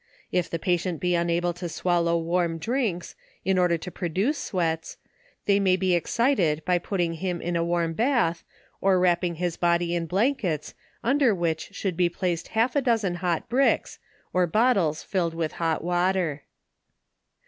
If the patient be unable to swallow warm drinfcs, in order to produce sweats, they may he excited by put ting him in a warm bath, or wrapping his body in blank ets, under which should be placed half a dofcen hot bricks, or bottles filled with hot water.